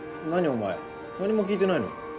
お前何も聞いてないの？